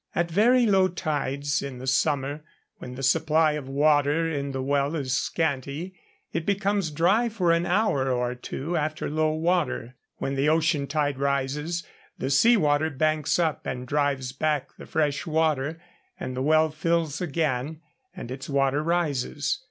At very low tides in the summer, when the supply of water in the well is scanty, it becomes dry for an hour or two after low water. When the ocean tide rises, the sea water banks up and drives back the fresh water, and the well fills again and its water rises.